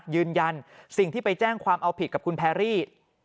ยืนยันสิ่งที่ไปแจ้งความเอาผิดกับคุณแพรรี่